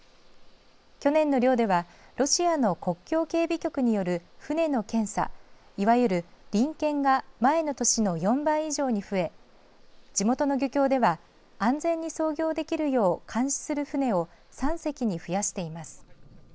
去年の漁ではロシアの国境警備局による船の検査、いわゆる臨検が前の年の４倍以上に増え地元の漁協では安全に操業できるよう監視する船を３隻に増やしています。